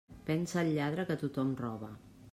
Pensa el lladre que tothom roba.